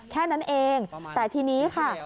แค่นั้นเองแต่ทีนี้ค่ะ